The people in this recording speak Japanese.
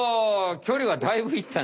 距離はだいぶいったね。